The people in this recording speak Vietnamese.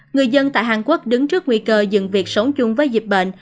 người dân tại hàn quốc đứng trước nguy cơ dừng việc sống chung với dịch bệnh